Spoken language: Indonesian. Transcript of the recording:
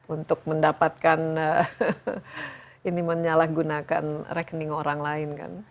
untuk mendapatkan ini menyalahgunakan rekening orang lain kan